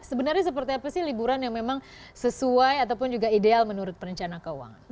sebenarnya seperti apa sih liburan yang memang sesuai ataupun juga ideal menurut perencana keuangan